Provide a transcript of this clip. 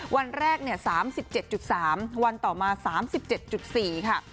วันแรก๓๗๓วันต่อมา๓๗๔ค่ะ